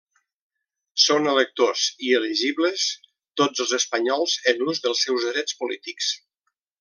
Són electors i elegibles tots els espanyols en ús dels seus drets polítics.